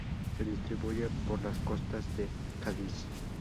Se distribuye por las costas de Cádiz.